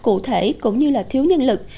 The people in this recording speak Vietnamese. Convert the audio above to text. cụ thể cũng như là thiếu nhân lực